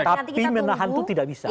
tapi menahan itu tidak bisa